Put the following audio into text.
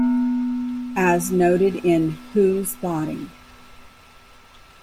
As noted in Whose Body?